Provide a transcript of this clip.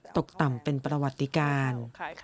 ตกต่ำเป็นประวัติการ